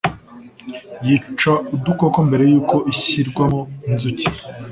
yica udukoko mbere y uko ishyirwamo inzuki